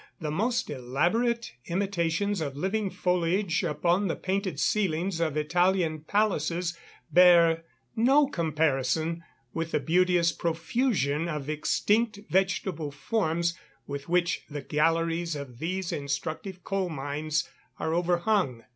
The most elaborate imitations of living foliage upon the painted ceilings of Italian palaces bear no comparison with the beauteous profusion of extinct vegetable forms with which the galleries of these instructive coal mines are overhung.